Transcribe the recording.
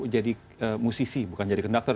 jadi musisi bukan jadi konduktor